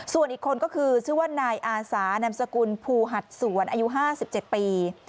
ส่วนอีกคนก็คือชื่อว่านายอาสานามสกุลภูหัดสวนอายุ๕๗ปี